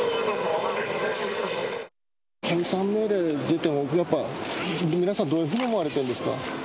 解散命令出ても、やっぱ皆さん、どういうふうに思われてるんですか。